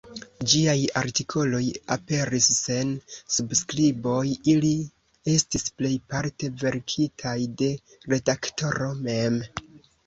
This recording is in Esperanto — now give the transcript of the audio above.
Ĝiaj artikoloj aperis sen subskriboj, ili estis plejparte verkitaj de redaktoro mem.